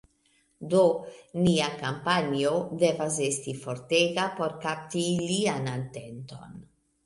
Do, nia kampanjo devas esti fortega por kapti ilian atenton